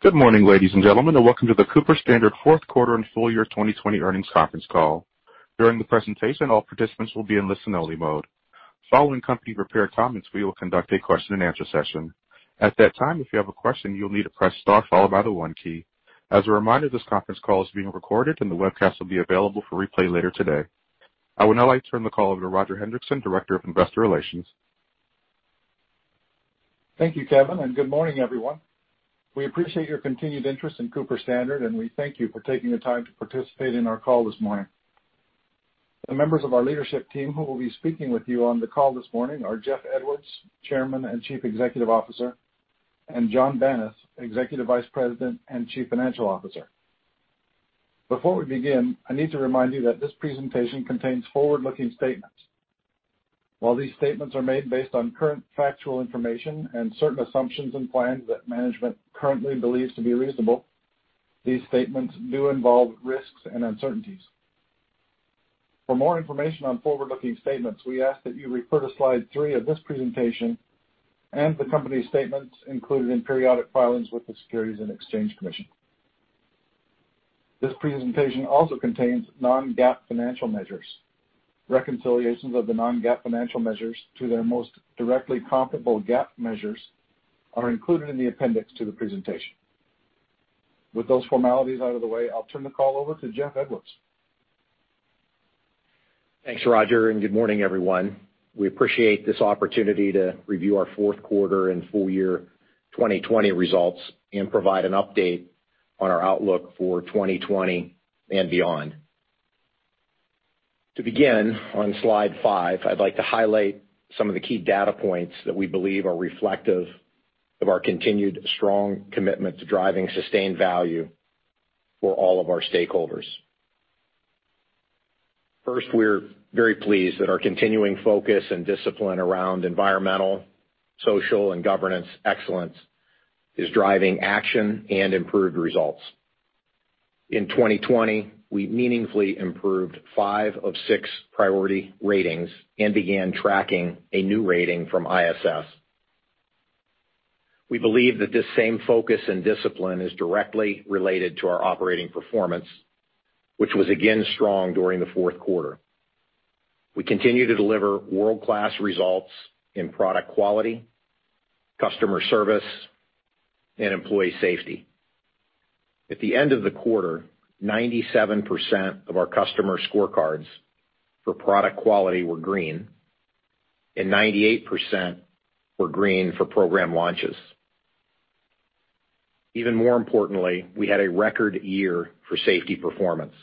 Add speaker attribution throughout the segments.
Speaker 1: Good morning, ladies and gentlemen, and welcome to the Cooper-Standard fourth quarter and full year 2020 earnings conference call. During the presentation, all participants will be in listen only mode. Following company prepared comments, we will conduct a question and answer session. At that time, if you have a question, you'll need to press star followed by the one key. As a reminder, this conference call is being recorded and the webcast will be available for replay later today. I would now like to turn the call over to Roger Hendriksen, Director of Investor Relations.
Speaker 2: Thank you, Kevin, and good morning everyone. We appreciate your continued interest in Cooper-Standard, and we thank you for taking the time to participate in our call this morning. The members of our leadership team who will be speaking with you on the call this morning are Jeff Edwards, Chairman and Chief Executive Officer, and John Banas, Executive Vice President and Chief Financial Officer. Before we begin, I need to remind you that this presentation contains forward-looking statements. While these statements are made based on current factual information and certain assumptions and plans that management currently believes to be reasonable, these statements do involve risks and uncertainties. For more information on forward-looking statements, we ask that you refer to slide three of this presentation and the company's statements included in periodic filings with the Securities and Exchange Commission. This presentation also contains non-GAAP financial measures. Reconciliations of the non-GAAP financial measures to their most directly comparable GAAP measures are included in the appendix to the presentation. With those formalities out of the way, I'll turn the call over to Jeff Edwards.
Speaker 3: Thanks, Roger. Good morning, everyone. We appreciate this opportunity to review our fourth quarter and full year 2020 results and provide an update on our outlook for 2020 and beyond. To begin on slide five, I'd like to highlight some of the key data points that we believe are reflective of our continued strong commitment to driving sustained value for all of our stakeholders. First, we're very pleased that our continuing focus and discipline around environmental, social, and governance excellence is driving action and improved results. In 2020, we meaningfully improved five of six priority ratings and began tracking a new rating from ISS. We believe that this same focus and discipline is directly related to our operating performance, which was again strong during the fourth quarter. We continue to deliver world-class results in product quality, customer service, and employee safety. At the end of the quarter, 97% of our customer scorecards for product quality were green, and 98% were green for program launches. Even more importantly, we had a record year for safety performance.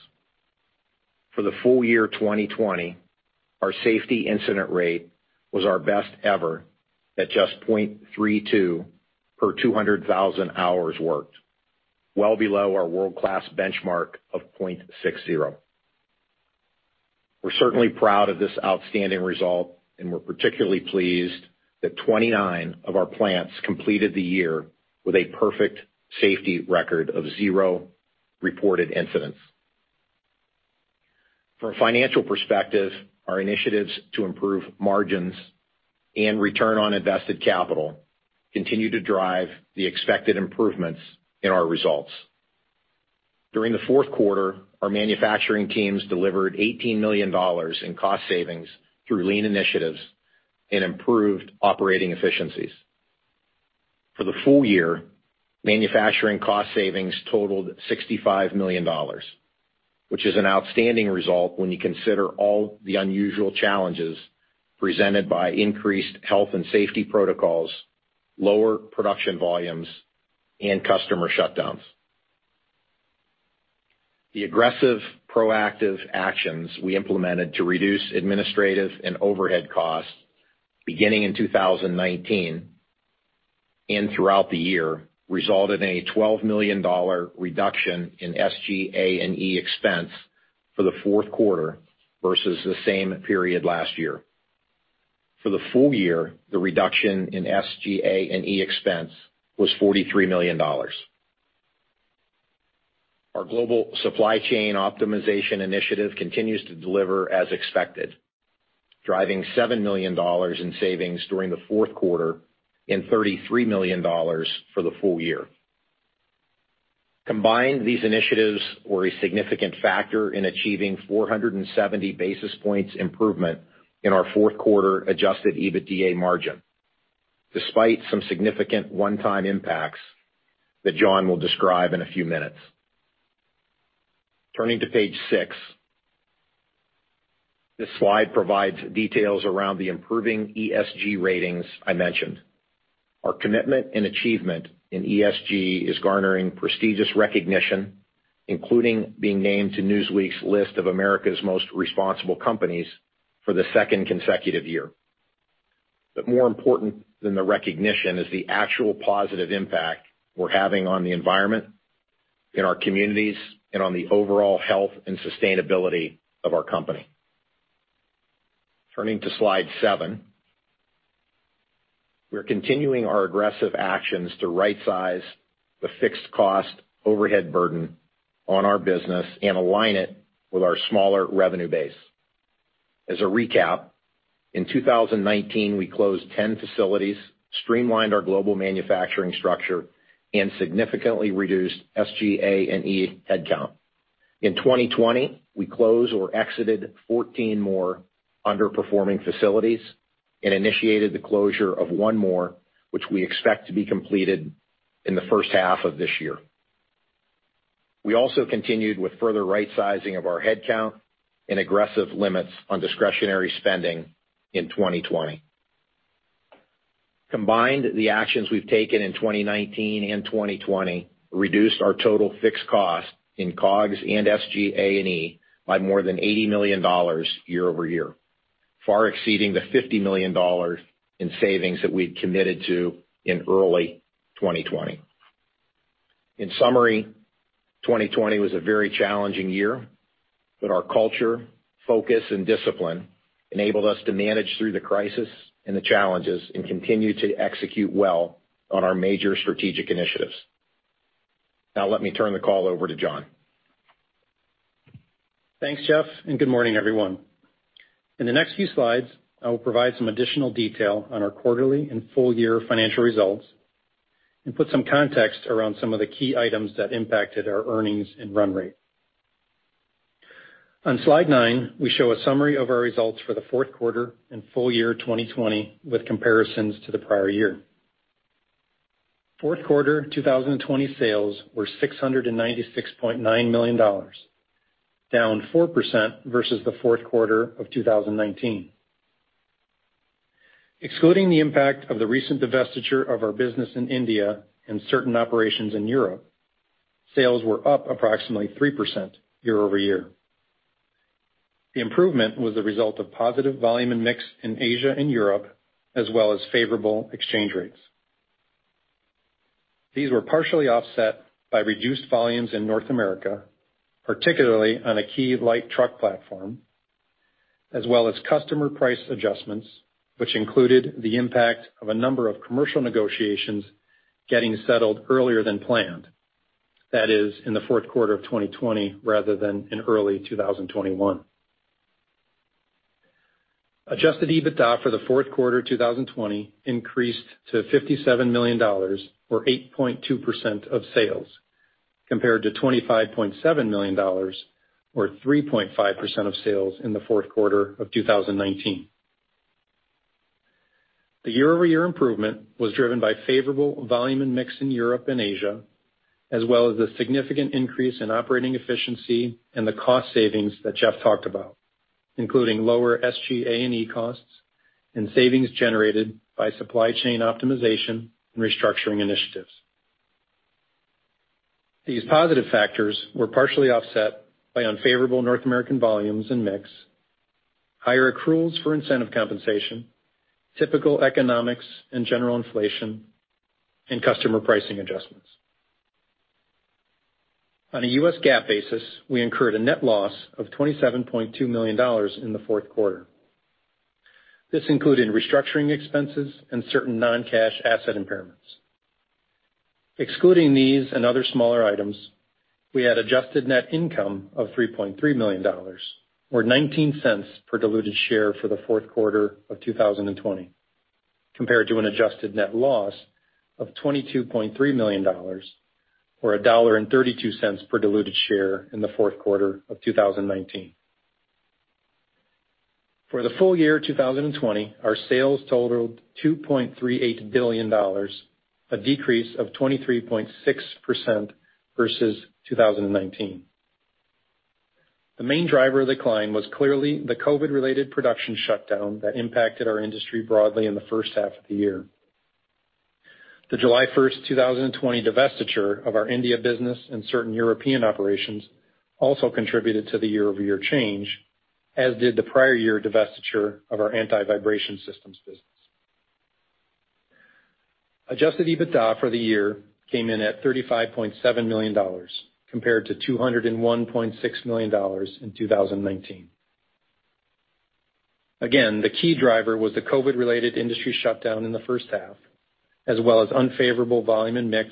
Speaker 3: For the full year 2020, our safety incident rate was our best ever at just 0.32 per 200,000 hours worked, well below our world-class benchmark of 0.60. We're certainly proud of this outstanding result, and we're particularly pleased that 29 of our plants completed the year with a perfect safety record of zero reported incidents. From a financial perspective, our initiatives to improve margins and return on invested capital continue to drive the expected improvements in our results. During the fourth quarter, our manufacturing teams delivered $18 million in cost savings through lean initiatives and improved operating efficiencies. For the full year, manufacturing cost savings totaled $65 million, which is an outstanding result when you consider all the unusual challenges presented by increased health and safety protocols, lower production volumes, and customer shutdowns. The aggressive proactive actions we implemented to reduce administrative and overhead costs beginning in 2019 and throughout the year resulted in a $12 million reduction in SGA&E expense for the fourth quarter versus the same period last year. For the full year, the reduction in SGA&E expense was $43 million. Our global supply chain optimization initiative continues to deliver as expected, driving $7 million in savings during the fourth quarter and $33 million for the full year. Combined, these initiatives were a significant factor in achieving 470 basis points improvement in our fourth quarter adjusted EBITDA margin, despite some significant one-time impacts that John will describe in a few minutes. Turning to page six. This slide provides details around the improving ESG ratings I mentioned. Our commitment and achievement in ESG is garnering prestigious recognition, including being named to Newsweek's list of America's Most Responsible Companies for the second consecutive year. More important than the recognition is the actual positive impact we're having on the environment, in our communities, and on the overall health and sustainability of our company. Turning to slide seven. We're continuing our aggressive actions to right size the fixed cost overhead burden on our business and align it with our smaller revenue base. As a recap, in 2019, we closed 10 facilities, streamlined our global manufacturing structure, and significantly reduced SGA&E headcount. In 2020, we closed or exited 14 more underperforming facilities and initiated the closure of one more, which we expect to be completed in the first half of this year. We also continued with further right-sizing of our headcount and aggressive limits on discretionary spending in 2020. Combined, the actions we've taken in 2019 and 2020 reduced our total fixed cost in COGS and SGA&E by more than $80 million year-over-year, far exceeding the $50 million in savings that we'd committed to in early 2020. In summary, 2020 was a very challenging year, but our culture, focus, and discipline enabled us to manage through the crisis and the challenges and continue to execute well on our major strategic initiatives. Now, let me turn the call over to John.
Speaker 4: Thanks, Jeff, and good morning, everyone. In the next few slides, I will provide some additional detail on our quarterly and full year financial results and put some context around some of the key items that impacted our earnings and run rate. On slide nine, we show a summary of our results for the fourth quarter and full year 2020 with comparisons to the prior year. Fourth quarter 2020 sales were $696.9 million, down 4% versus the fourth quarter of 2019. Excluding the impact of the recent divestiture of our business in India and certain operations in Europe, sales were up approximately 3% year-over-year. The improvement was the result of positive volume and mix in Asia and Europe, as well as favorable exchange rates. These were partially offset by reduced volumes in North America, particularly on a key light truck platform, as well as customer price adjustments, which included the impact of a number of commercial negotiations getting settled earlier than planned. That is, in the fourth quarter of 2020 rather than in early 2021. Adjusted EBITDA for the fourth quarter 2020 increased to $57 million, or 8.2% of sales, compared to $25.7 million, or 3.5% of sales in the fourth quarter of 2019. The year-over-year improvement was driven by favorable volume and mix in Europe and Asia, as well as the significant increase in operating efficiency and the cost savings that Jeff talked about, including lower SGA&E costs and savings generated by supply chain optimization and restructuring initiatives. These positive factors were partially offset by unfavorable North American volumes and mix, higher accruals for incentive compensation, typical economics and general inflation, and customer pricing adjustments. On a U.S. GAAP basis, we incurred a net loss of $27.2 million in the fourth quarter. This included restructuring expenses and certain non-cash asset impairments. Excluding these and other smaller items, we had adjusted net income of $3.3 million, or $0.19 per diluted share for the fourth quarter of 2020, compared to an adjusted net loss of $22.3 million, or $1.32 per diluted share in the fourth quarter of 2019. For the full year 2020, our sales totaled $2.38 billion, a decrease of 23.6% versus 2019. The main driver of the decline was clearly the COVID-related production shutdown that impacted our industry broadly in the first half of the year. The July 1st, 2020, divestiture of our India business and certain European operations also contributed to the year-over-year change, as did the prior year divestiture of our Anti-Vibration Systems business. Adjusted EBITDA for the year came in at $35.7 million, compared to $201.6 million in 2019. The key driver was the COVID-related industry shutdown in the first half, as well as unfavorable volume and mix,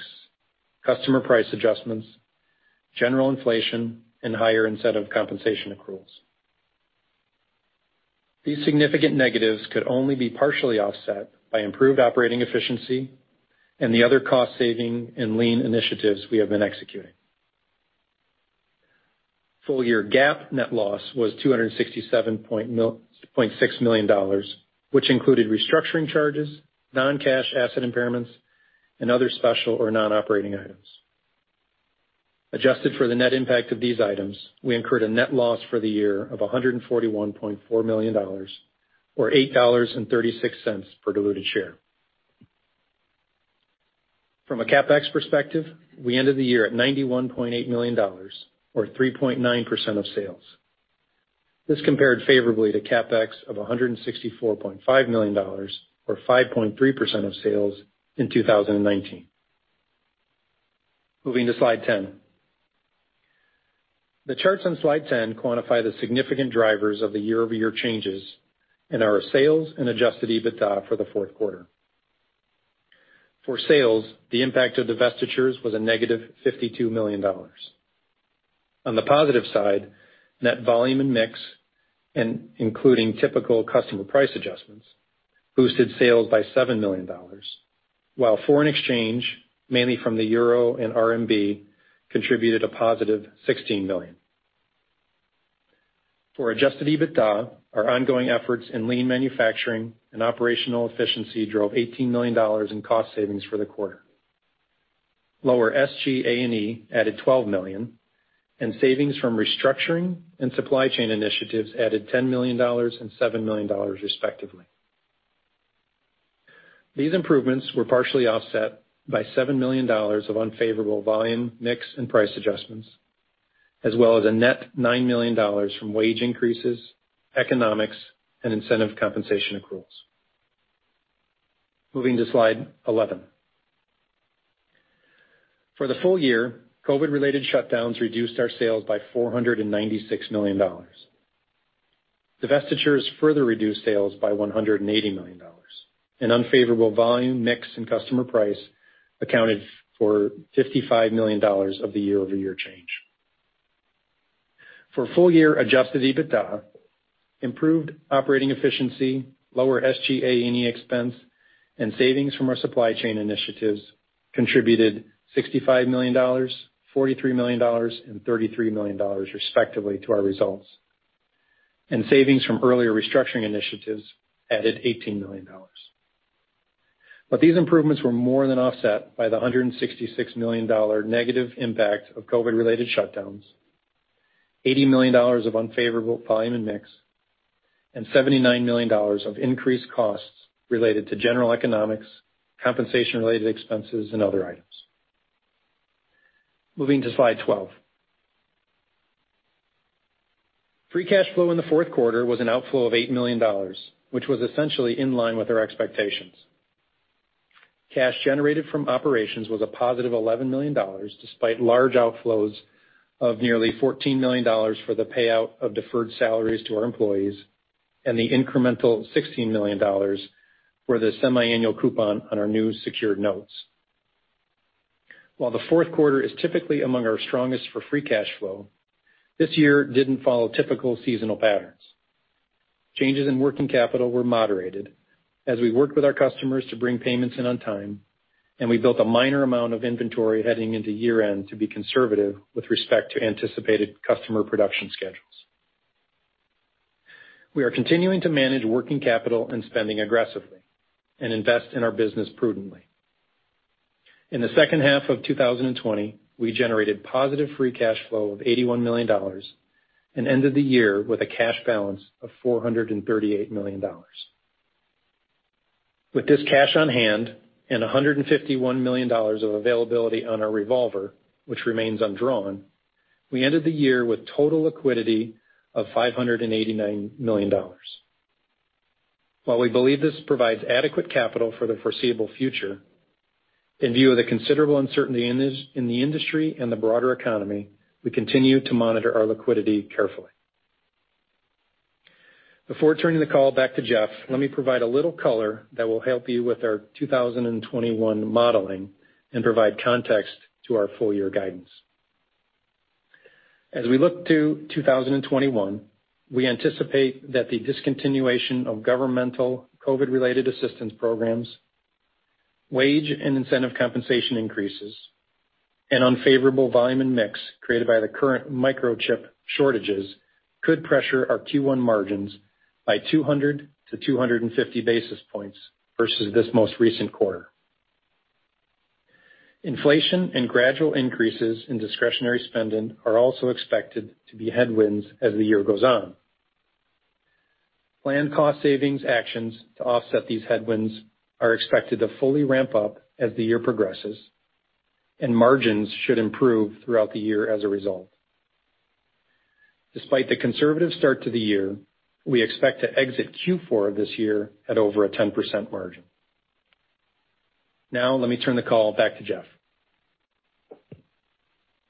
Speaker 4: customer price adjustments, general inflation, and higher incentive compensation accruals. These significant negatives could only be partially offset by improved operating efficiency and the other cost saving and lean initiatives we have been executing. Full year GAAP net loss was $267.6 million, which included restructuring charges, non-cash asset impairments, and other special or non-operating items. Adjusted for the net impact of these items, we incurred a net loss for the year of $141.4 million, or $8.36 per diluted share. From a CapEx perspective, we ended the year at $91.8 million, or 3.9% of sales. This compared favorably to CapEx of $164.5 million, or 5.3% of sales, in 2019. Moving to slide 10. The charts on slide 10 quantify the significant drivers of the year-over-year changes in our sales and adjusted EBITDA for the fourth quarter. For sales, the impact of divestitures was a -$52 million. On the positive side, net volume and mix, and including typical customer price adjustments, boosted sales by $7 million, while foreign exchange, mainly from the EUR and RMB, contributed a +$16 million. For adjusted EBITDA, our ongoing efforts in lean manufacturing and operational efficiency drove $18 million in cost savings for the quarter. Lower SGA&E added $12 million, and savings from restructuring and supply chain initiatives added $10 million and $7 million respectively. These improvements were partially offset by $7 million of unfavorable volume mix and price adjustments, as well as a net $9 million from wage increases, economics, and incentive compensation accruals. Moving to slide 11. For the full year, COVID-related shutdowns reduced our sales by $496 million. Divestitures further reduced sales by $180 million. Unfavorable volume mix and customer price accounted for $55 million of the year-over-year change. For full-year adjusted EBITDA, improved operating efficiency, lower SGA&E expense, and savings from our supply chain initiatives contributed $65 million, $43 million, and $33 million respectively to our results. Savings from earlier restructuring initiatives added $18 million. These improvements were more than offset by the $166 million negative impact of COVID-related shutdowns, $80 million of unfavorable volume and mix, and $79 million of increased costs related to general economics, compensation-related expenses, and other items. Moving to slide 12. Free cash flow in the fourth quarter was an outflow of $8 million, which was essentially in line with our expectations. Cash generated from operations was a +$11 million, despite large outflows of nearly $14 million for the payout of deferred salaries to our employees and the incremental $16 million for the semiannual coupon on our new secured notes. While the fourth quarter is typically among our strongest for free cash flow, this year didn't follow typical seasonal patterns. Changes in working capital were moderated as we worked with our customers to bring payments in on time, and we built a minor amount of inventory heading into year-end to be conservative with respect to anticipated customer production schedules. We are continuing to manage working capital and spending aggressively and invest in our business prudently. In the second half of 2020, we generated positive free cash flow of $81 million and ended the year with a cash balance of $438 million. With this cash on hand and $151 million of availability on our revolver, which remains undrawn, we ended the year with total liquidity of $589 million. While we believe this provides adequate capital for the foreseeable future, in view of the considerable uncertainty in the industry and the broader economy, we continue to monitor our liquidity carefully. Before turning the call back to Jeff, let me provide a little color that will help you with our 2021 modeling and provide context to our full-year guidance. As we look to 2021, we anticipate that the discontinuation of governmental COVID-related assistance programs, wage and incentive compensation increases, and unfavorable volume and mix created by the current microchip shortages could pressure our Q1 margins by 200-250 basis points versus this most recent quarter. Inflation and gradual increases in discretionary spending are also expected to be headwinds as the year goes on. Planned cost savings actions to offset these headwinds are expected to fully ramp up as the year progresses, and margins should improve throughout the year as a result. Despite the conservative start to the year, we expect to exit Q4 of this year at over a 10% margin. Now, let me turn the call back to Jeff.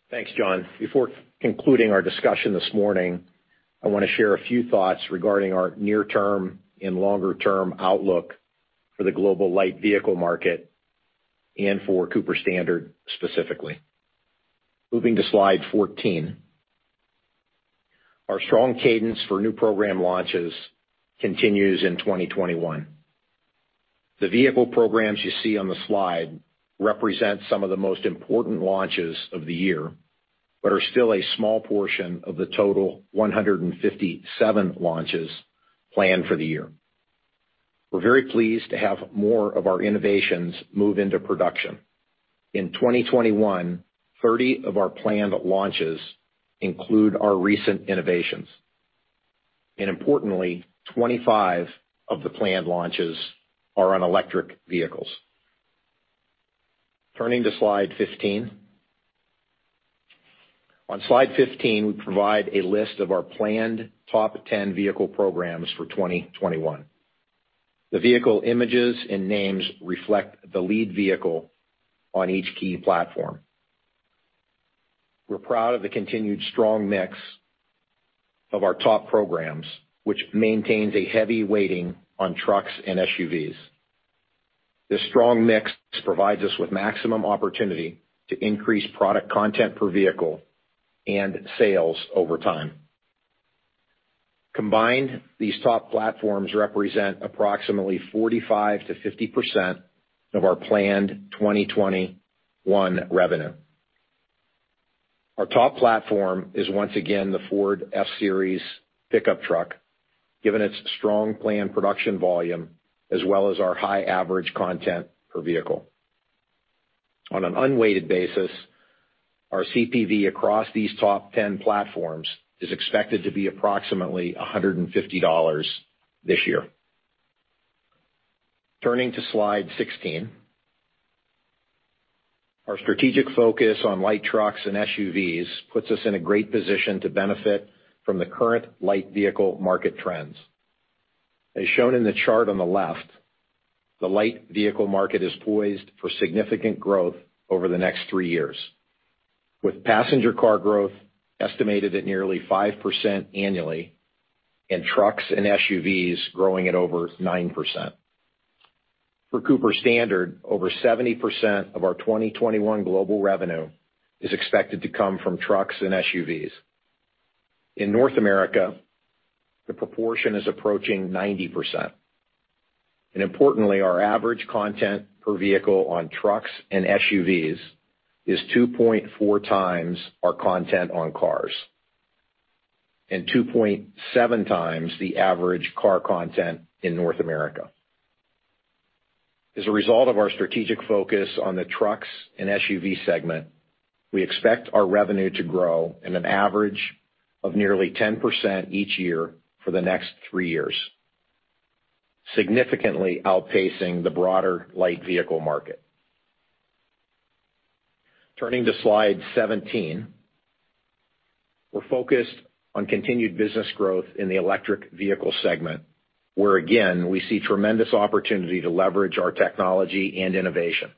Speaker 3: Thanks, John. Before concluding our discussion this morning, I want to share a few thoughts regarding our near-term and longer-term outlook for the global light vehicle market and for Cooper-Standard specifically. Moving to slide fourteen. Our strong cadence for new program launches continues in 2021. The vehicle programs you see on the slide represent some of the most important launches of the year but are still a small portion of the total 157 launches planned for the year. We're very pleased to have more of our innovations move into production. In 2021, 30 of our planned launches include our recent innovations, and importantly, 25 of the planned launches are on electric vehicles. Turning to slide fifteen. On slide fifteen, we provide a list of our planned top ten vehicle programs for 2021. The vehicle images and names reflect the lead vehicle on each key platform. We're proud of the continued strong mix of our top programs, which maintains a heavy weighting on trucks and SUVs. This strong mix provides us with maximum opportunity to increase product content per vehicle and sales over time. Combined, these top platforms represent approximately 45%-50% of our planned 2021 revenue. Our top platform is once again the Ford F-Series pickup truck, given its strong planned production volume as well as our high average content per vehicle. On an unweighted basis, our CPV across these top 10 platforms is expected to be approximately $150 this year. Turning to slide 16. Our strategic focus on light trucks and SUVs puts us in a great position to benefit from the current light vehicle market trends. As shown in the chart on the left, the light vehicle market is poised for significant growth over the next three years, with passenger car growth estimated at nearly 5% annually and trucks and SUVs growing at over 9%. For Cooper-Standard, over 70% of our 2021 global revenue is expected to come from trucks and SUVs. In North America, the proportion is approaching 90%. Importantly, our average content per vehicle on trucks and SUVs is 2.4x our content on cars and 2.7x the average car content in North America. As a result of our strategic focus on the trucks and SUV segment, we expect our revenue to grow at an average of nearly 10% each year for the next three years, significantly outpacing the broader light vehicle market. Turning to slide 17. We're focused on continued business growth in the electric vehicle segment, where again, we see tremendous opportunity to leverage our technology and innovation.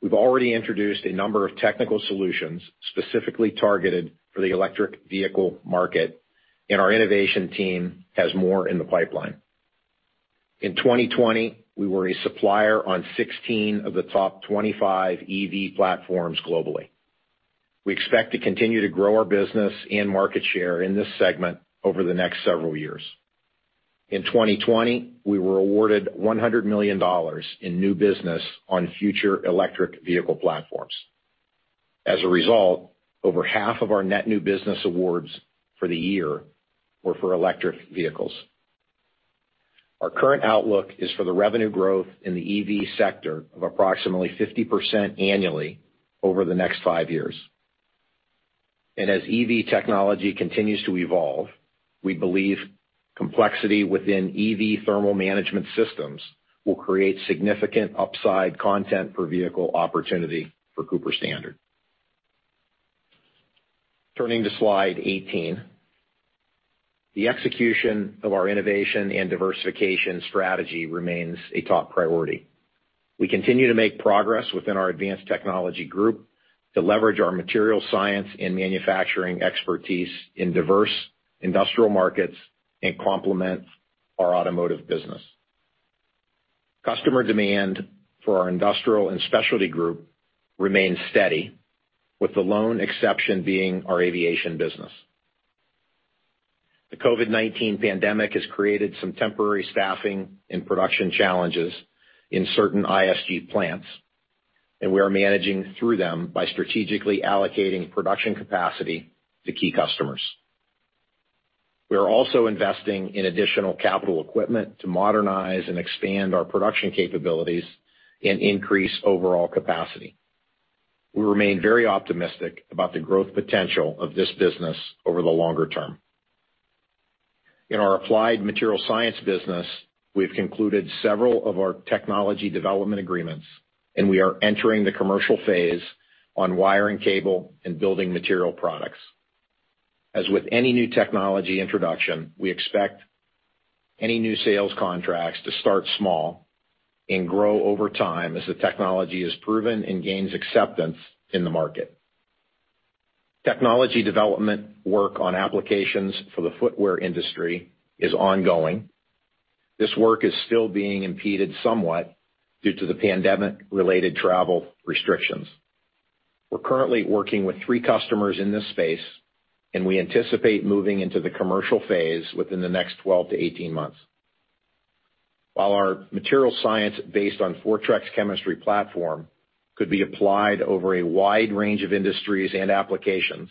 Speaker 3: We've already introduced a number of technical solutions specifically targeted for the electric vehicle market, and our innovation team has more in the pipeline. In 2020, we were a supplier on 16 of the top 25 EV platforms globally. We expect to continue to grow our business and market share in this segment over the next several years. In 2020, we were awarded $100 million in new business on future electric vehicle platforms. As a result, over half of our net new business awards for the year were for electric vehicles. Our current outlook is for the revenue growth in the EV sector of approximately 50% annually over the next five years. As EV technology continues to evolve, we believe complexity within EV thermal management systems will create significant upside content per vehicle opportunity for Cooper-Standard. Turning to slide 18. The execution of our innovation and diversification strategy remains a top priority. We continue to make progress within our Advanced Technology Group to leverage our material science and manufacturing expertise in diverse industrial markets and complement our automotive business. Customer demand for our Industrial and Specialty Group remains steady, with the lone exception being our aviation business. The COVID-19 pandemic has created some temporary staffing and production challenges in certain ISG plants, and we are managing through them by strategically allocating production capacity to key customers. We are also investing in additional capital equipment to modernize and expand our production capabilities and increase overall capacity. We remain very optimistic about the growth potential of this business over the longer term. In our Applied Materials Science business, we've concluded several of our technology development agreements and we are entering the commercial phase on wire and cable and building material products. As with any new technology introduction, we expect any new sales contracts to start small and grow over time as the technology is proven and gains acceptance in the market. Technology development work on applications for the footwear industry is ongoing. This work is still being impeded somewhat due to the pandemic-related travel restrictions. We're currently working with three customers in this space, and we anticipate moving into the commercial phase within the next 12-18 months. While our material science based on Fortrex chemistry platform could be applied over a wide range of industries and applications,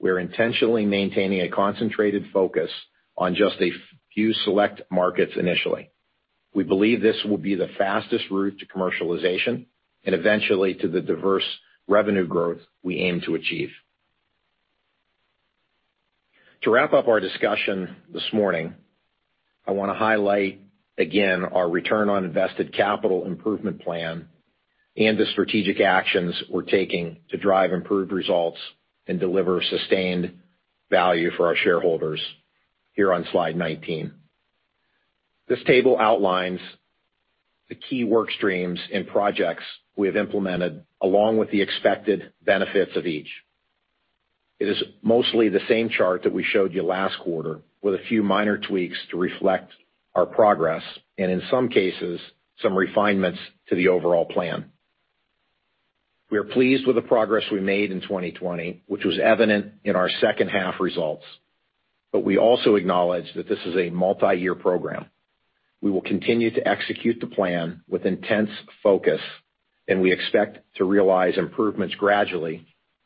Speaker 3: we're intentionally maintaining a concentrated focus on just a few select markets initially. We believe this will be the fastest route to commercialization and eventually to the diverse revenue growth we aim to achieve. To wrap up our discussion this morning, I want to highlight again our return on invested capital improvement plan and the strategic actions we're taking to drive improved results and deliver sustained value for our shareholders here on slide 19. This table outlines the key work streams and projects we have implemented along with the expected benefits of each. It is mostly the same chart that we showed you last quarter with a few minor tweaks to reflect our progress, and in some cases, some refinements to the overall plan. We are pleased with the progress we made in 2020, which was evident in our second half results. We also acknowledge that this is a multi-year program. We will continue to execute the plan with intense focus, and we expect to realize improvements gradually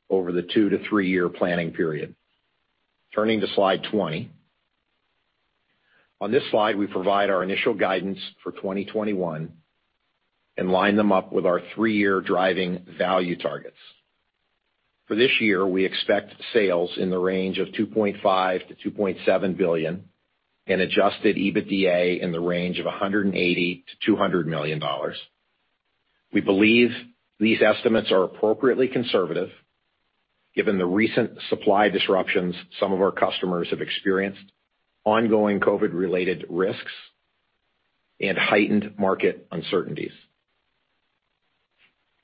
Speaker 3: over the two to three-year planning period. Turning to slide 20. On this slide, we provide our initial guidance for 2021 and line them up with our three-year driving value targets. For this year, we expect sales in the range of $2.5 billion-$2.7 billion and adjusted EBITDA in the range of $180 million-$200 million. We believe these estimates are appropriately conservative given the recent supply disruptions some of our customers have experienced, ongoing COVID-related risks, and heightened market uncertainties.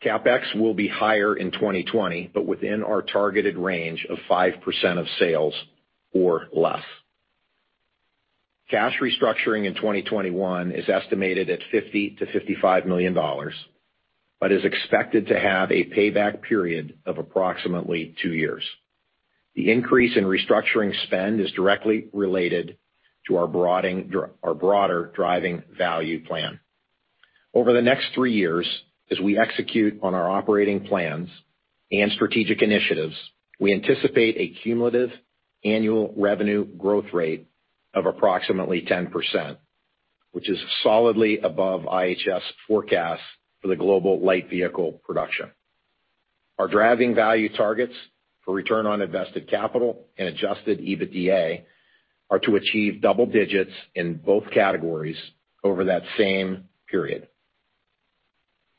Speaker 3: CapEx will be higher in 2020, but within our targeted range of 5% of sales or less. Cash restructuring in 2021 is estimated at $50 million-$55 million, but is expected to have a payback period of approximately two years. The increase in restructuring spend is directly related to our broader driving value plan. Over the next three years, as we execute on our operating plans and strategic initiatives, we anticipate a cumulative annual revenue growth rate of approximately 10%, which is solidly above IHS forecasts for the global light vehicle production. Our driving value targets for return on invested capital and adjusted EBITDA are to achieve double digits in both categories over that same period.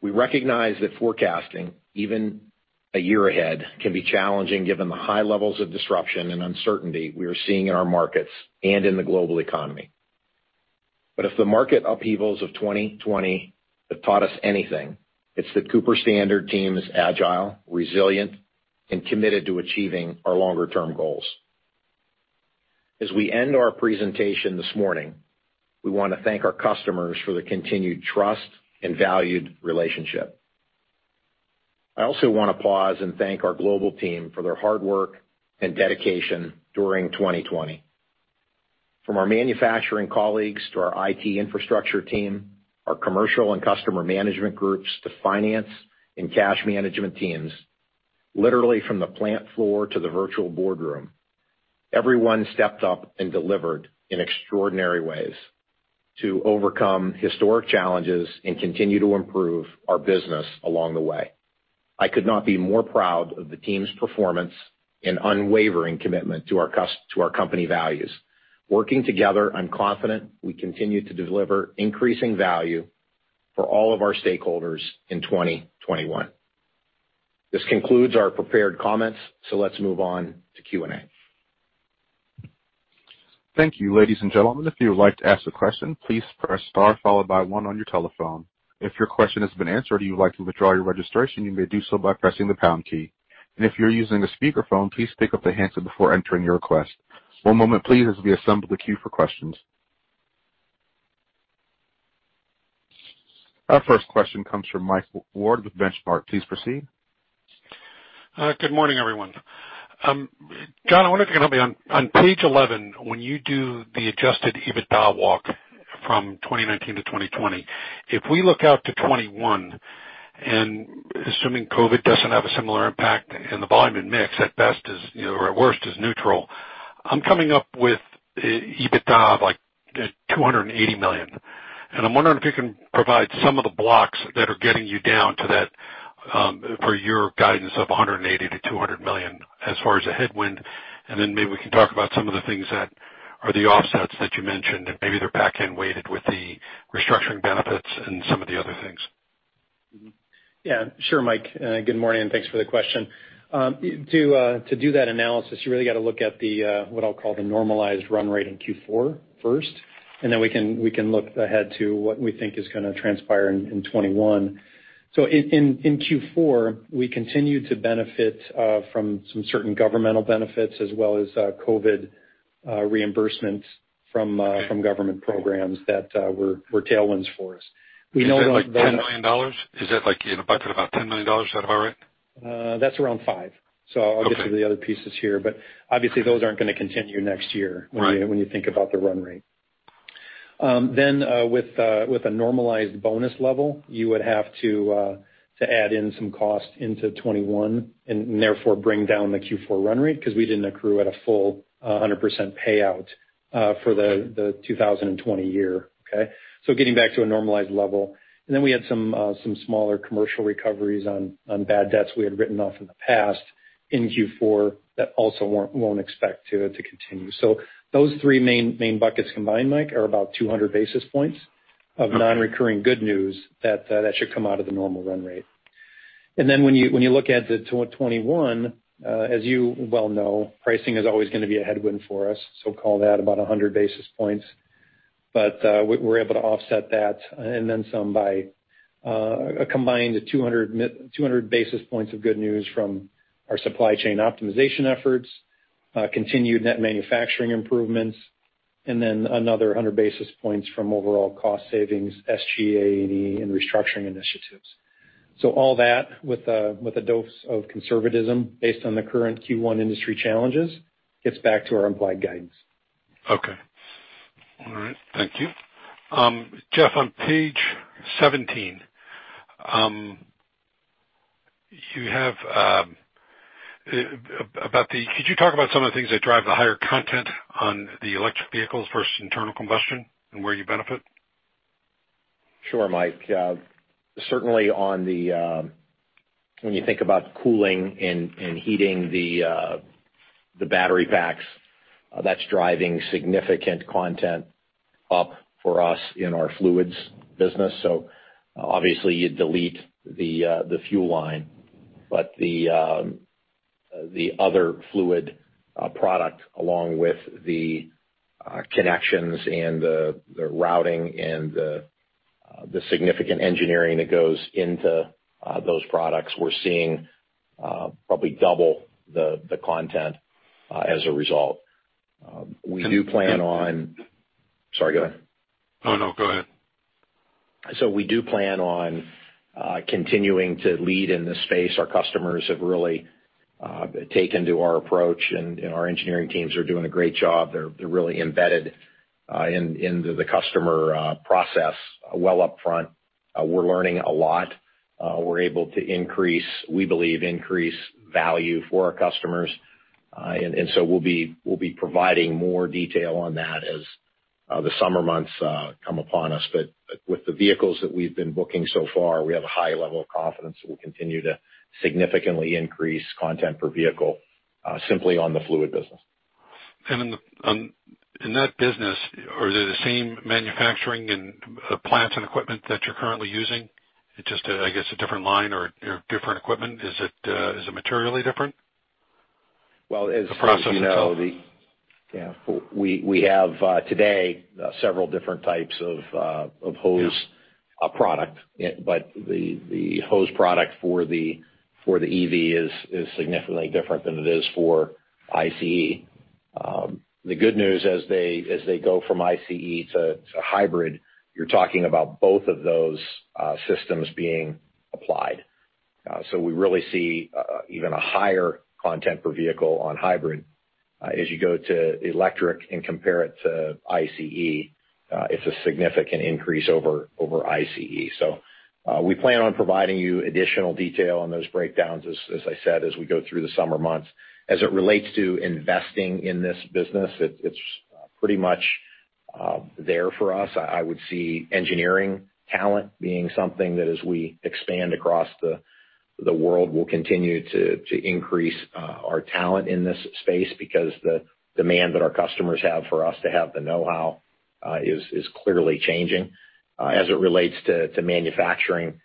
Speaker 3: We recognize that forecasting, even a year ahead, can be challenging given the high levels of disruption and uncertainty we are seeing in our markets and in the global economy. If the market upheavals of 2020 have taught us anything, it's that Cooper-Standard team is agile, resilient, and committed to achieving our longer-term goals. As we end our presentation this morning, we want to thank our customers for their continued trust and valued relationship. I also want to pause and thank our global team for their hard work and dedication during 2020. From our manufacturing colleagues to our IT infrastructure team, our commercial and customer management groups, to finance and cash management teams, literally from the plant floor to the virtual boardroom, everyone stepped up and delivered in extraordinary ways to overcome historic challenges and continue to improve our business along the way. I could not be more proud of the team's performance and unwavering commitment to our company values. Working together, I'm confident we continue to deliver increasing value for all of our stakeholders in 2021. This concludes our prepared comments. Let's move on to Q&A.
Speaker 1: Thank you, ladies and gentlemen. If you would like to ask a question, please press star followed by one on your telephone. If your question has been answered or you would like to withdraw your registration, you may do so by pressing the pound key. If you're using a speakerphone, please pick up the handset before entering your request. One moment, please, as we assemble the queue for questions. Our first question comes from Michael Ward with Benchmark. Please proceed.
Speaker 5: Good morning, everyone. John, I wonder if you can help me on page 11, when you do the adjusted EBITDA walk from 2019 to 2020. If we look out to 2021, assuming COVID doesn't have a similar impact and the volume and mix at best is, or at worst is neutral, I'm coming up with EBITDA of like $280 million. I'm wondering if you can provide some of the blocks that are getting you down to that for your guidance of $180 million-$200 million as far as a headwind. Maybe we can talk about some of the things that are the offsets that you mentioned. Maybe they're back-end weighted with the restructuring benefits and some of the other things.
Speaker 4: Yeah, sure, Mike. Good morning, and thanks for the question. To do that analysis, you really got to look at what I'll call the normalized run rate in Q4 first, and then we can look ahead to what we think is going to transpire in 2021. In Q4, we continued to benefit from some certain governmental benefits as well as COVID reimbursements from government programs that were tailwinds for us.
Speaker 5: Is that like $10 million? Is that like in a bucket about $10 million? Is that about right?
Speaker 4: That's around $5 million.
Speaker 5: Okay.
Speaker 4: I'll get to the other pieces here, but obviously those aren't going to continue next year.
Speaker 5: Right.
Speaker 4: When you think about the run rate. With a normalized bonus level, you would have to add in some cost into 2021 and therefore bring down the Q4 run rate because we didn't accrue at a full 100% payout for the 2020 year. Okay? Getting back to a normalized level. We had some smaller commercial recoveries on bad debts we had written off in the past in Q4 that also won't expect to continue. Those three main buckets combined, Mike, are about 200 basis points of non-recurring good news that should come out of the normal run rate. When you look at the 2021, as you well know, pricing is always going to be a headwind for us, call that about 100 basis points. We're able to offset that and then some by a combined 200 basis points of good news from our supply chain optimization efforts, continued net manufacturing improvements, and then another 100 basis points from overall cost savings, SGA&E, and restructuring initiatives. All that with a dose of conservatism based on the current Q1 industry challenges, gets back to our implied guidance.
Speaker 5: Okay. All right. Thank you. Jeff, on page 17, could you talk about some of the things that drive the higher content on the electric vehicles versus internal combustion, and where you benefit?
Speaker 3: Sure, Mike. Certainly, when you think about cooling and heating the battery packs, that's driving significant content up for us in our fluids business. Obviously you'd delete the fuel line, but the other fluid product, along with the connections and the routing and the significant engineering that goes into those products, we're seeing probably double the content as a result. We do plan. Sorry, go ahead.
Speaker 5: Oh, no. Go ahead.
Speaker 3: We do plan on continuing to lead in this space. Our customers have really taken to our approach, and our engineering teams are doing a great job. They're really embedded into the customer process well up front. We're learning a lot. We're able to, we believe, increase value for our customers. We'll be providing more detail on that as the summer months come upon us. With the vehicles that we've been booking so far, we have a high level of confidence that we'll continue to significantly increase content per vehicle simply on the fluid business.
Speaker 5: In that business, are they the same manufacturing and plants and equipment that you're currently using? It's just, I guess, a different line or different equipment? Is it materially different?
Speaker 3: Well, as you know.
Speaker 5: The process itself.
Speaker 3: We have today several different types of hose.
Speaker 5: Yeah.
Speaker 3: Product. The hose product for the EV is significantly different than it is for ICE. The good news, as they go from ICE to hybrid, you're talking about both of those systems being applied. We really see even a higher content per vehicle on hybrid. As you go to electric and compare it to ICE, it's a significant increase over ICE. We plan on providing you additional detail on those breakdowns, as I said, as we go through the summer months. As it relates to investing in this business, it's pretty much there for us. I would see engineering talent being something that as we expand across the world, we'll continue to increase our talent in this space because the demand that our customers have for us to have the know-how is clearly changing. As it relates to manufacturing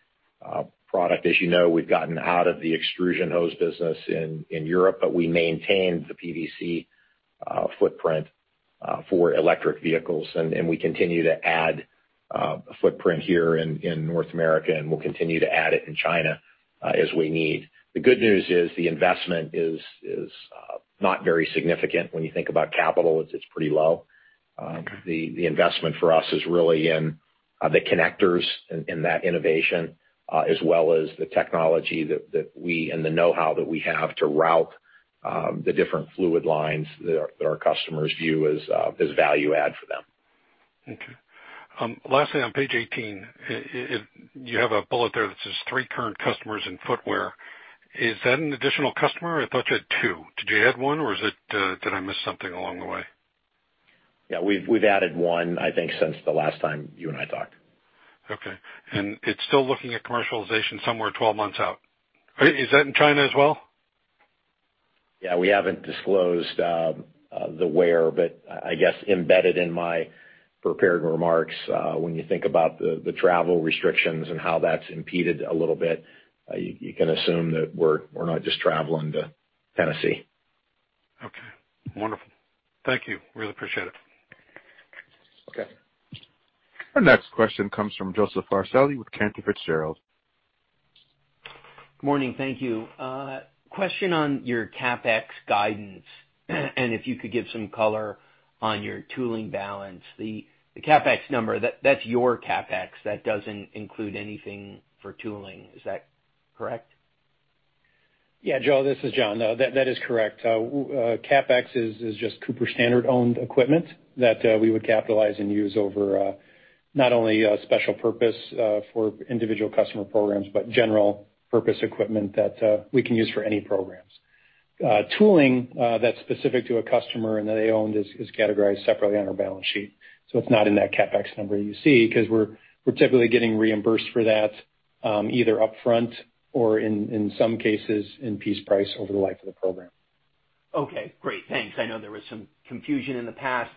Speaker 3: product, as you know, we've gotten out of the extrusion hose business in Europe, but we maintained the PVC footprint for electric vehicles, and we continue to add footprint here in North America, and we'll continue to add it in China as we need. The good news is the investment is not very significant when you think about capital. It's pretty low.
Speaker 5: Okay.
Speaker 3: The investment for us is really in the connectors and that innovation, as well as the technology that we, and the know-how that we have to route the different fluid lines that our customers view as value add for them.
Speaker 5: Okay. Lastly, on page 18, you have a bullet there that says three current customers in footwear. Is that an additional customer? I thought you had two. Did you add one, or did I miss something along the way?
Speaker 3: Yeah. We've added one, I think, since the last time you and I talked.
Speaker 5: Okay. It's still looking at commercialization somewhere 12 months out. Is that in China as well?
Speaker 3: Yeah. We haven't disclosed the where, but I guess embedded in my prepared remarks, when you think about the travel restrictions and how that's impeded a little bit, you can assume that we're not just traveling to Tennessee.
Speaker 5: Okay. Wonderful. Thank you. Really appreciate it.
Speaker 3: Okay.
Speaker 1: Our next question comes from Joseph Farricielli with Cantor Fitzgerald.
Speaker 6: Morning. Thank you. Question on your CapEx guidance, and if you could give some color on your tooling balance. The CapEx number, that's your CapEx. That doesn't include anything for tooling. Is that correct?
Speaker 4: Yeah, Joe. This is John. No, that is correct. CapEx is just Cooper-Standard owned equipment that we would capitalize and use over not only special purpose for individual customer programs, but general purpose equipment that we can use for any programs. Tooling that's specific to a customer and that they owned is categorized separately on our balance sheet. It's not in that CapEx number you see because we're typically getting reimbursed for that either up front or in some cases in piece price over the life of the program.
Speaker 6: Okay, great. Thanks. I know there was some confusion in the past.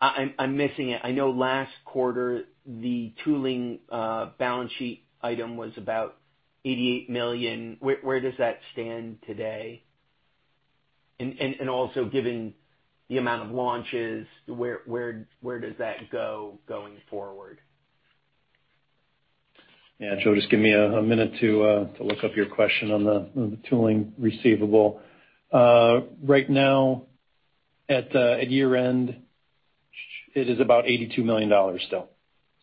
Speaker 6: I'm missing it. I know last quarter, the tooling balance sheet item was about $88 million. Where does that stand today? Given the amount of launches, where does that go going forward?
Speaker 4: Yeah. Joe, just give me a minute to look up your question on the tooling receivable. Right now at year-end, it is about $82 million still.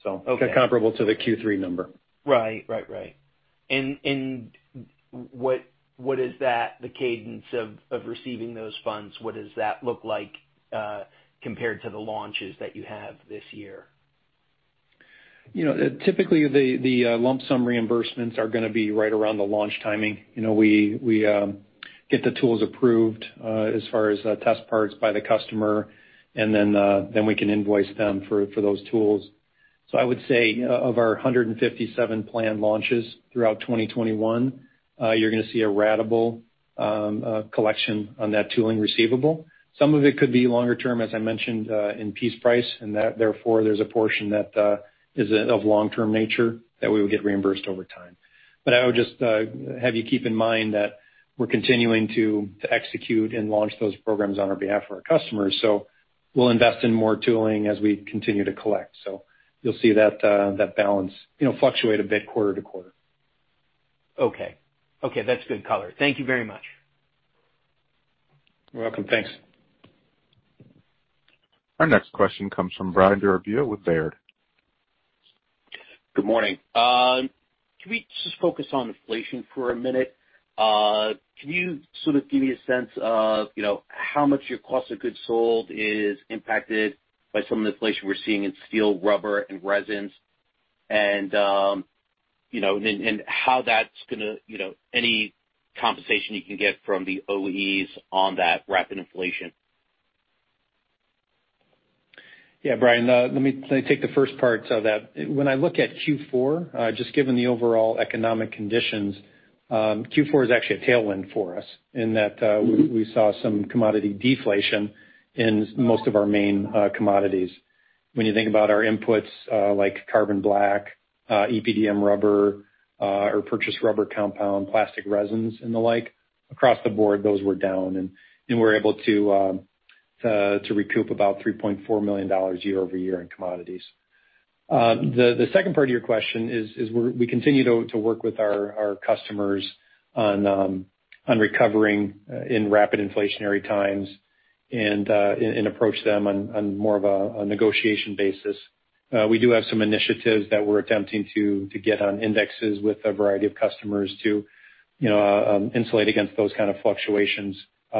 Speaker 6: Okay.
Speaker 4: Comparable to the Q3 number.
Speaker 6: Right. What is that, the cadence of receiving those funds, what does that look like compared to the launches that you have this year?
Speaker 4: Typically, the lump sum reimbursements are going to be right around the launch timing. We get the tools approved as far as test parts by the customer, then we can invoice them for those tools. I would say, of our 157 planned launches throughout 2021, you're going to see a ratable collection on that tooling receivable. Some of it could be longer term, as I mentioned, in piece price, therefore there's a portion that is of long-term nature that we would get reimbursed over time. I would just have you keep in mind that we're continuing to execute and launch those programs on our behalf for our customers. We'll invest in more tooling as we continue to collect. You'll see that balance fluctuate a bit quarter to quarter.
Speaker 6: Okay. That's good color. Thank you very much.
Speaker 4: You're welcome. Thanks.
Speaker 1: Our next question comes from Brian DiRubbio with Baird.
Speaker 7: Good morning. Can we just focus on inflation for a minute? Can you sort of give me a sense of how much your cost of goods sold is impacted by some of the inflation we're seeing in steel, rubber, and resins? How that's going to any compensation you can get from the OEs on that rapid inflation?
Speaker 4: Yeah, Brian. Let me take the first parts of that. When I look at Q4, just given the overall economic conditions, Q4 is actually a tailwind for us in that we saw some commodity deflation in most of our main commodities. When you think about our inputs like carbon black, EPDM rubber or purchased rubber compound, plastic resins, and the like, across the board, those were down, and we're able to recoup about $3.4 million year-over-year in commodities. The second part of your question is we continue to work with our customers on recovering in rapid inflationary times and approach them on more of a negotiation basis. We do have some initiatives that we're attempting to get on indexes with a variety of customers to insulate against those kind of fluctuations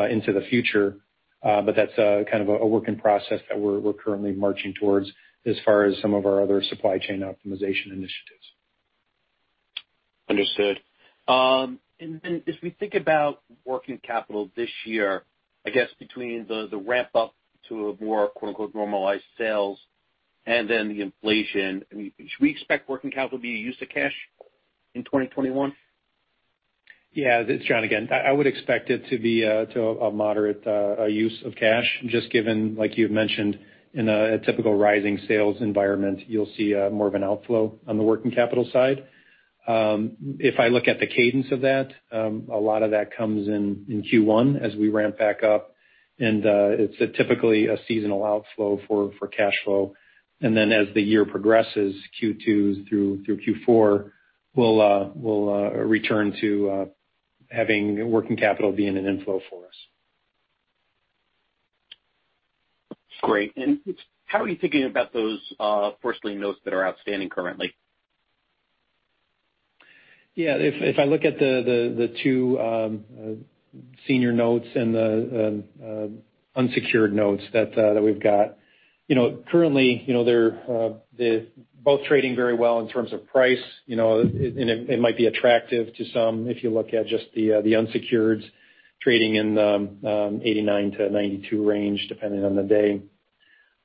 Speaker 4: into the future. That's kind of a work in process that we're currently marching towards as far as some of our other supply chain optimization initiatives.
Speaker 7: Understood. As we think about working capital this year, I guess between the ramp-up to a more normalized sales and then the inflation, should we expect working capital to be a use of cash in 2021?
Speaker 4: Yeah. This is John again. I would expect it to be to a moderate use of cash, just given, like you had mentioned, in a typical rising sales environment, you'll see more of an outflow on the working capital side. If I look at the cadence of that, a lot of that comes in Q1 as we ramp back up, and it's typically a seasonal outflow for cash flow. As the year progresses, Q2 through Q4, we'll return to having working capital be in an inflow for us.
Speaker 7: Great. How are you thinking about those first lien notes that are outstanding currently?
Speaker 4: Yeah. If I look at the two senior notes and the unsecured notes that we've got, currently they're both trading very well in terms of price. It might be attractive to some if you look at just the unsecureds trading in the 89-92 range, depending on the day.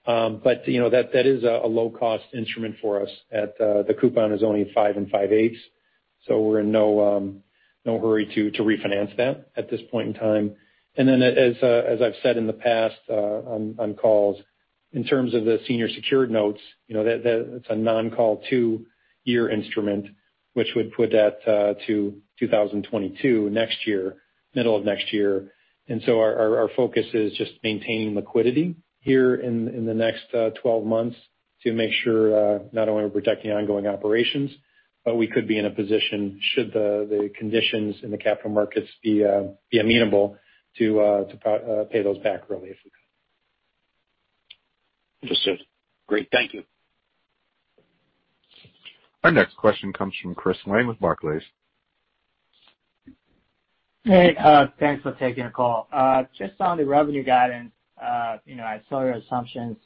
Speaker 4: That is a low-cost instrument for us at the coupon is only 5 and 5/8, so we're in no hurry to refinance that at this point in time. Then as I've said in the past on calls, in terms of the senior secured notes, that's a non-call two-year instrument, which would put that to 2022, next year, middle of next year. Our focus is just maintaining liquidity here in the next 12 months to make sure not only we're protecting ongoing operations, but we could be in a position should the conditions in the capital markets be amenable to pay those back early if we could.
Speaker 7: Understood. Great. Thank you.
Speaker 1: Our next question comes from Chris [Laing] with Barclays.
Speaker 8: Hey, thanks for taking the call. Just on the revenue guidance. I saw your assumptions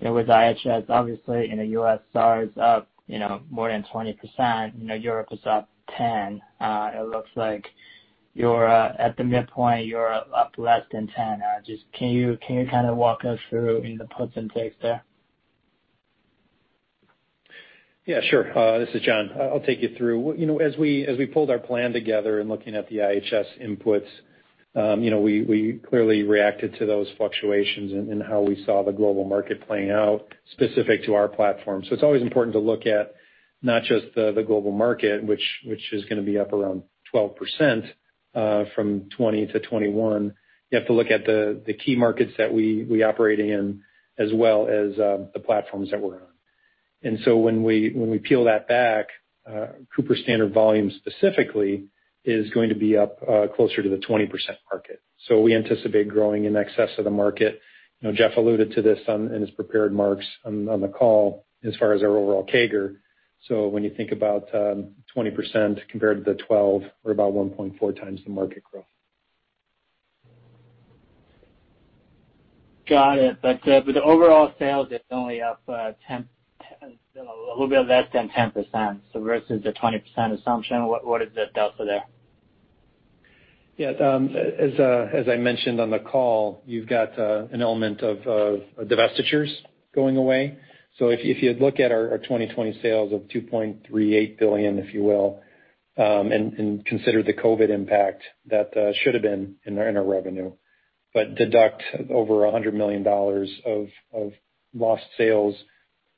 Speaker 8: with IHS, obviously, U.S. SAAR is up more than 20%, Europe is up 10%. It looks like at the midpoint, you're up less than 10%. Just can you kind of walk us through the puts and takes there?
Speaker 4: Yeah, sure. This is John. I'll take you through. As we pulled our plan together, looking at the IHS inputs, we clearly reacted to those fluctuations in how we saw the global market playing out specific to our platform. It's always important to look at not just the global market, which is going to be up around 12% from 2020 to 2021. You have to look at the key markets that we operate in, as well as the platforms that we're on. When we peel that back, Cooper-Standard volume specifically is going to be up closer to the 20% market. We anticipate growing in excess of the market. Jeff alluded to this in his prepared remarks on the call as far as our overall CAGR. When you think about 20% compared to the 12, we're about 1.4x the market growth.
Speaker 8: Got it. With the overall sales, it's only up a little bit less than 10%, so versus the 20% assumption, what is the delta there?
Speaker 4: Yeah. As I mentioned on the call, you've got an element of divestitures going away. If you look at our 2020 sales of $2.38 billion, if you will, and consider the COVID impact, that should've been in our revenue, but deduct over $100 million of lost sales,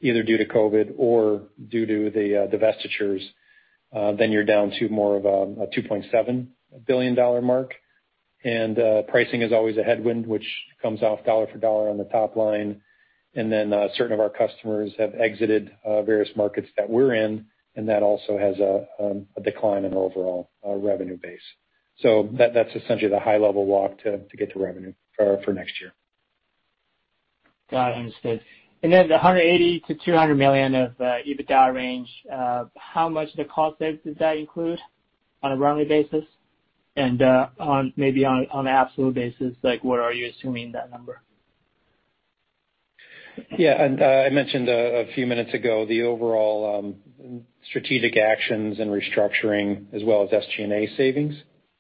Speaker 4: either due to COVID or due to the divestitures, you're down to more of a $2.7 billion mark. Pricing is always a headwind, which comes off dollar for dollar on the top line. Certain of our customers have exited various markets that we're in, and that also has a decline in overall revenue base. That's essentially the high-level walk to get to revenue for next year.
Speaker 8: Got it, understood. The $180 million-$200 million of EBITDA range, how much of the cost save does that include on a run-rate basis? Maybe on an absolute basis, what are you assuming that number?
Speaker 4: Yeah. I mentioned a few minutes ago, the overall strategic actions and restructuring, as well as SG&A savings,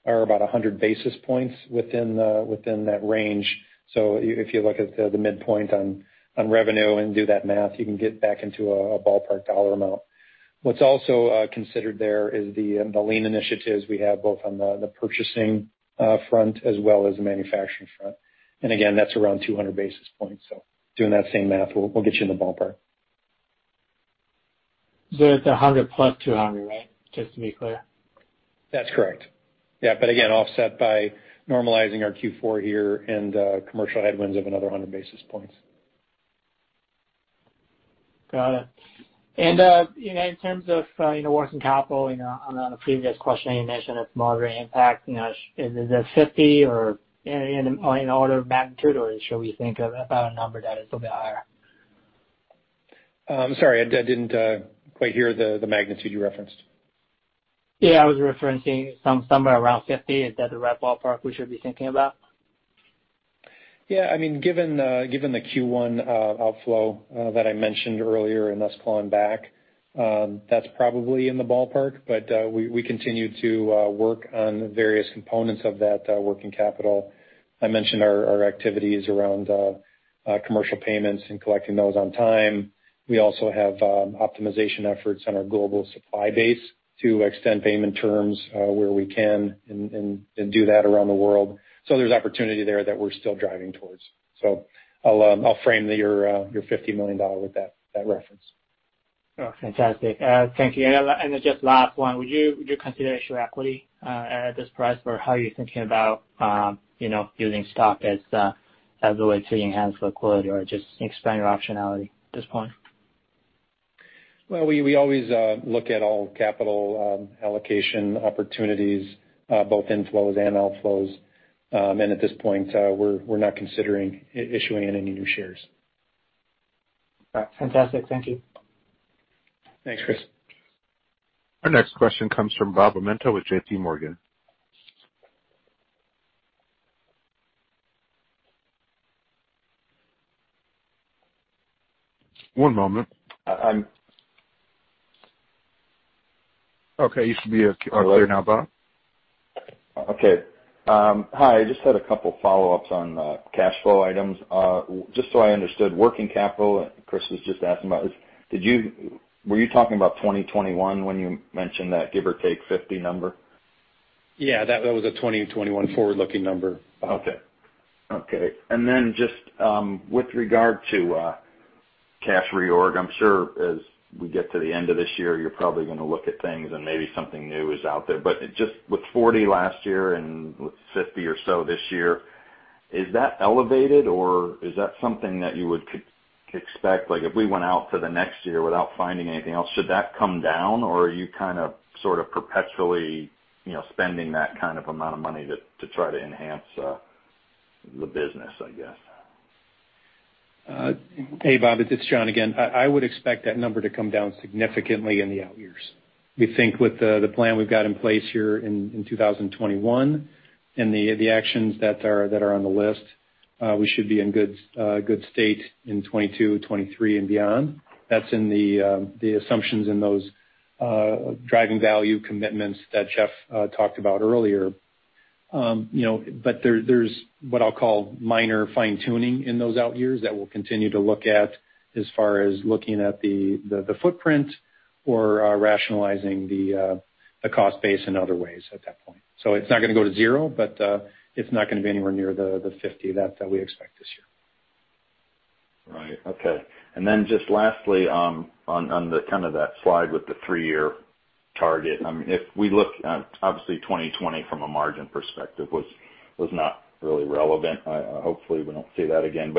Speaker 4: are about 100 basis points within that range. If you look at the midpoint on revenue and do that math, you can get back into a ballpark dollar amount. What's also considered there is the lean initiatives we have both on the purchasing front as well as the manufacturing front. Again, that's around 200 basis points. Doing that same math will get you in the ballpark.
Speaker 8: It's 100 + 200, right? Just to be clear.
Speaker 4: That's correct. Yeah. Again, offset by normalizing our Q4 here and commercial headwinds of another 100 basis points.
Speaker 8: Got it. In terms of working capital, on a previous question, you mentioned a moderate impact. Is this $50 million or in order of magnitude, or should we think of about a number that is a bit higher?
Speaker 4: I'm sorry, I didn't quite hear the magnitude you referenced.
Speaker 8: Yeah, I was referencing somewhere around $50 million. Is that the right ballpark we should be thinking about?
Speaker 4: Yeah. Given the Q1 outflow that I mentioned earlier and us clawing back, that's probably in the ballpark. We continue to work on various components of that working capital. I mentioned our activities around commercial payments and collecting those on time. We also have optimization efforts on our global supply base to extend payment terms where we can and do that around the world. There's opportunity there that we're still driving towards. I'll frame your $50 million with that reference.
Speaker 8: Oh, fantastic. Thank you. Then just last one. Would you consider issuing equity at this price? How are you thinking about using stock as a way to enhance liquidity or just expand your optionality at this point?
Speaker 4: Well, we always look at all capital allocation opportunities, both inflows and outflows. At this point, we're not considering issuing any new shares.
Speaker 9: Fantastic. Thank you.
Speaker 4: Thanks, Chris.
Speaker 1: Our next question comes from Bob Amenta with JPMorgan. One moment.
Speaker 10: I'm.
Speaker 1: Okay, you should be clear now, Bob.
Speaker 10: Okay. Hi. I just had a couple of follow-ups on cash flow items. Just so I understood working capital, Chris was just asking about this, were you talking about 2021 when you mentioned that give or take $50 million number?
Speaker 4: Yeah, that was a 2021 forward-looking number.
Speaker 10: Okay. Just with regard to cash reorg, I'm sure as we get to the end of this year, you're probably going to look at things and maybe something new is out there. Just with $40 million last year and with $50 million or so this year, is that elevated, or is that something that you would expect? If we went out for the next year without finding anything else, should that come down, or are you perpetually spending that kind of amount of money to try to enhance the business, I guess?
Speaker 4: Hey, Bob, it's John again. I would expect that number to come down significantly in the out years. We think with the plan we've got in place here in 2021 and the actions that are on the list, we should be in good state in 2022, 2023, and beyond. That's in the assumptions in those driving value commitments that Jeff talked about earlier. There's what I'll call minor fine-tuning in those out years that we'll continue to look at as far as looking at the footprint or rationalizing the cost base in other ways at that point. It's not going to go to zero, but it's not going to be anywhere near the $50 million that we expect this year.
Speaker 10: Right. Okay. Then just lastly, on kind of that slide with the three-year target. If we look, obviously 2020 from a margin perspective was not really relevant. Hopefully we don't see that again.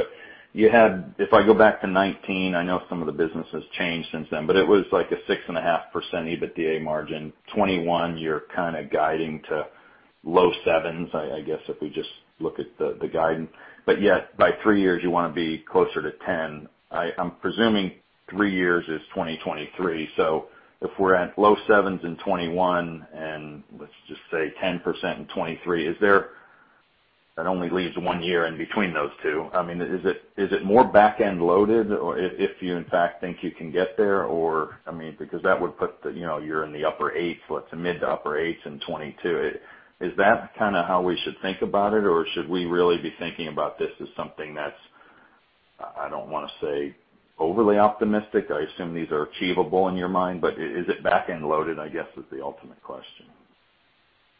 Speaker 10: If I go back to 2019, I know some of the business has changed since then, but it was like a 6.5% EBITDA margin. 2021, you're kind of guiding to low 7s, I guess, if we just look at the guidance. Yet by three years, you want to be closer to 10%. I'm presuming three years is 2023. If we're at low 7s in 2021, and let's just say 10% in 2023, that only leaves one year in between those two. Is it more back-end loaded if you in fact think you can get there? That would put you in the mid to upper 8s in 2022. Is that kind of how we should think about it? Or should we really be thinking about this as something that's, I don't want to say overly optimistic? I assume these are achievable in your mind, but is it back-end loaded, I guess is the ultimate question.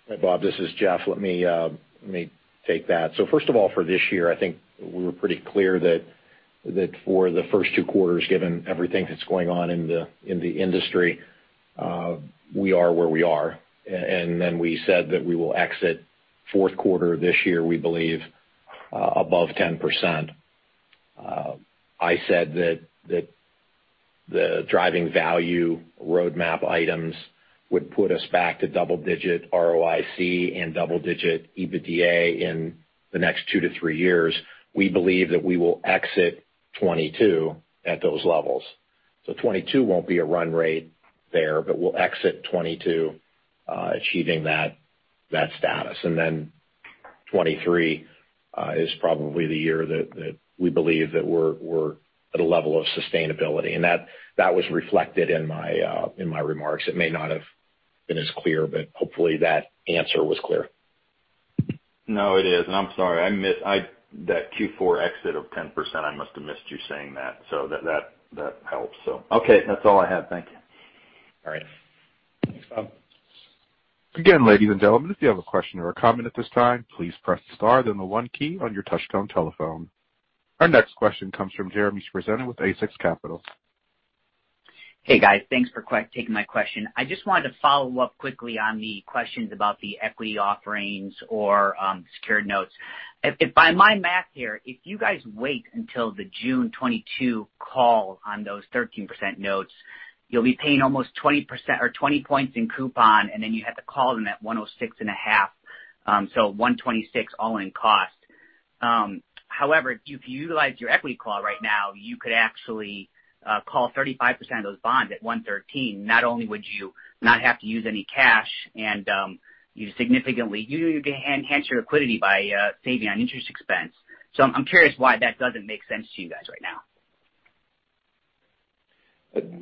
Speaker 3: Hey, Bob, this is Jeff. Let me take that. First of all, for this year, I think we were pretty clear that for the first two quarters, given everything that's going on in the industry, we are where we are. We said that we will exit the fourth quarter of this year, we believe, above 10%. I said that the driving value roadmap items would put us back to double-digit ROIC and double-digit EBITDA in the next two to three years. We believe that we will exit 2022 at those levels. 2022 won't be a run rate there, but we'll exit 2022 achieving that status. 2023 is probably the year that we believe that we're at a level of sustainability. That was reflected in my remarks. It may not have been as clear, but hopefully that answer was clear.
Speaker 10: No, it is. I'm sorry. That Q4 exit of 10%, I must have missed you saying that. That helps. Okay, that's all I have. Thank you.
Speaker 3: All right.
Speaker 4: Thanks, Bob.
Speaker 1: Again, ladies and gentlemen, if you have a question or a comment at this time, please press star, then the one key on your touch-tone telephone. Our next question comes from Jeremy [Spratt] with Essex Capital.
Speaker 11: Hey, guys. Thanks for taking my question. I just wanted to follow up quickly on the questions about the equity offerings or secured notes. By my math here, if you guys wait until the June 2022 call on those 13% notes, you'll be paying almost 20 points in coupon, and then you have to call them at 106.5. 126 all-in cost. However, if you utilize your equity claw right now, you could actually call 35% of those bonds at 113. Not only would you not have to use any cash, and you significantly enhance your liquidity by saving on interest expense. I'm curious why that doesn't make sense to you guys right now.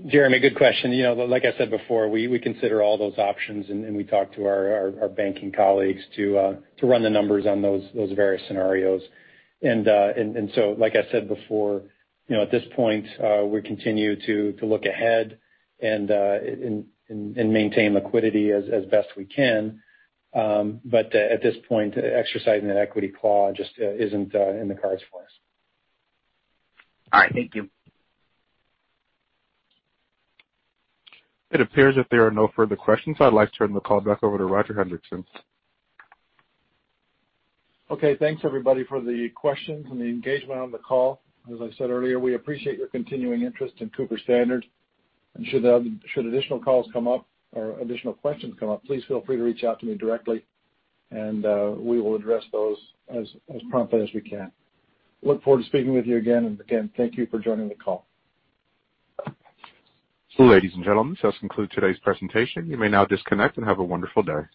Speaker 4: Jeremy, good question. Like I said before, we consider all those options, and we talk to our banking colleagues to run the numbers on those various scenarios. Like I said before, at this point, we continue to look ahead and maintain liquidity as best we can. At this point, exercising that equity claw just isn't in the cards for us.
Speaker 11: All right. Thank you.
Speaker 1: It appears that there are no further questions. I'd like to turn the call back over to Roger Hendriksen.
Speaker 2: Okay. Thanks, everybody, for the questions and the engagement on the call. As I said earlier, we appreciate your continuing interest in Cooper-Standard. Should additional calls come up or additional questions come up, please feel free to reach out to me directly, and we will address those as promptly as we can. Look forward to speaking with you again, and again, thank you for joining the call.
Speaker 1: Ladies and gentlemen, this concludes today's presentation. You may now disconnect, and have a wonderful day.